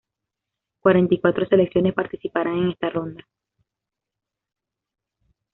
Cuarenta y cuatro selecciones participarán en esta ronda.